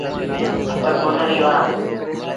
تا ڪنريٚ وهآن۔